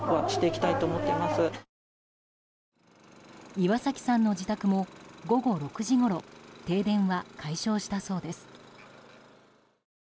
岩崎さんの自宅も午後６時ごろ停電は解消したそうです。